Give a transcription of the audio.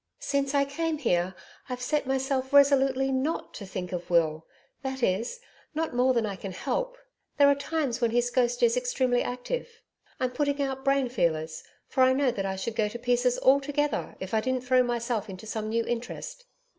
Since I came here, I've set myself resolutely NOT to think of Will that is, not more than I can help; there are times when his ghost is extremely active. I'm putting out brain feelers, for I know that I should go to pieces altogether if I didn't throw myself into some new interest.